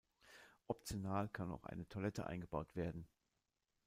Optional kann auch eine Toilette eingebaut werden.